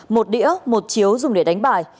một đĩa một chiếu dùng để đánh bài